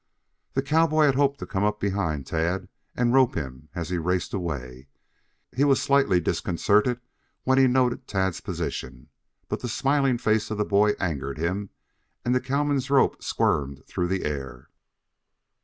The cowboy had hoped to come up behind Tad and rope him as he raced away. He was slightly disconcerted when he noted Tad's position. But the smiling face of the boy angered him, and the cowman's rope squirmed through the air.